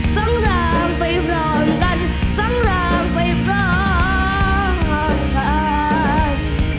สำรางไปพร้อมกันสำรางไปพร้อมกัน